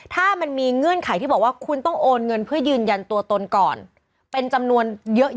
ถ้ามันมีเงื่อนไขที่บอกว่าคุณต้องโอนเงินเพื่อยืนยันตัวตนก่อนเป็นจำนวนเยอะ